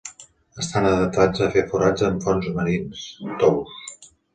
Estan adaptats a fer forats en fons marins tous.